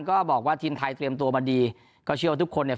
ก็บอกว่าทีมไทยเตรียมตัวมาดีก็เชื่อว่าทุกคนเนี่ย